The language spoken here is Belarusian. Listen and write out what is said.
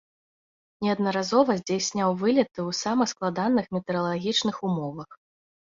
Неаднаразова здзяйсняў вылеты ў самых складаных метэаралагічных умовах.